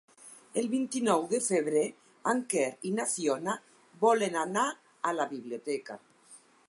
El vint-i-nou de febrer en Quer i na Fiona volen anar a la biblioteca.